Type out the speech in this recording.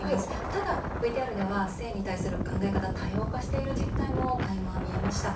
ただ、ＶＴＲでは性に関する考え方多様化している実態もかいま見えました。